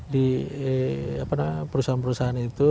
di perusahaan perusahaan itu